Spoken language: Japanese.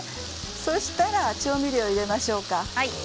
そうしたら調味料を入れましょう。